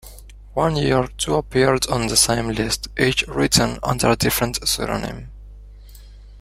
One year, two appeared on the same list, each written under a different pseudonym.